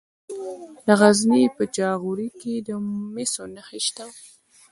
د غزني په جاغوري کې د مسو نښې شته.